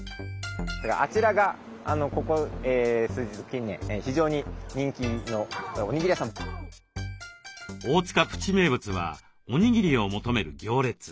あちらがここ近年非常に大塚プチ名物はおにぎりを求める行列。